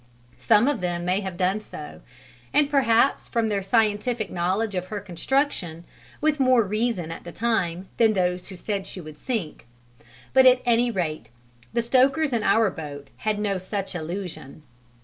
Some of them may have done so and perhaps, from their scientific knowledge of her construction, with more reason at the time than those who said she would sink but at any rate the stokers in our boat had no such illusion.